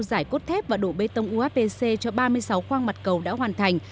giải cốt thép và đổ bê tông uhpc cho ba mươi sáu khoang mặt cầu đã hoàn thành